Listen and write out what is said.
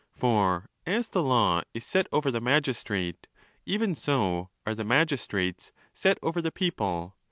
For as the law is set over the magistrate, even so are the magistrates set; 462 | ON THE LAWS,' over the people.